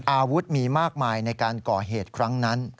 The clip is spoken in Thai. อาวุธมีมากมายในการก่อเหตุครั้งนั้น